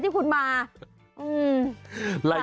ขอบคุณครับ